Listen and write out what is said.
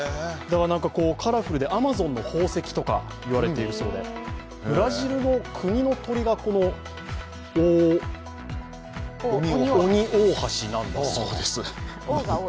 カラフルでアマゾンの宝石と言われているそうで、ブラジルの国の鳥がオニオオハシなんだそうです。